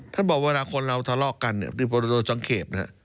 ท่านบอกว่าเวลาคนเราทะเลาะกันดิงโพฬโจ๊งเขตนะครับ